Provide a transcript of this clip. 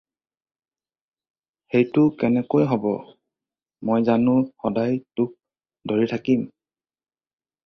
সেইটো কেনেকৈ হ'ব! মই জানো সদায় তোক ধৰি থাকিম!